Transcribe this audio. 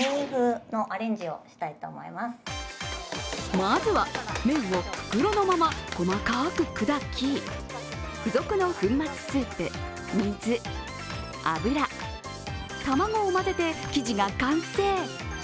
まずは麺を袋のまま細かく砕き、付属の粉末スープ、水、油、卵を混ぜて生地が完成。